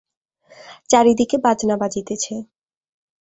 চারিদিকে বাজনা বাজিতেছে।